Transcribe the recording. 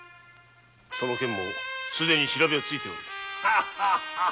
それもすでに調べがついておる。